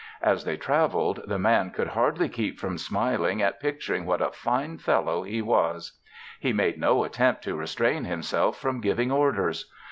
As they travelled, the Man could hardly keep from smiling at picturing what a fine fellow he was. He made no attempt to restrain himself from giving orders.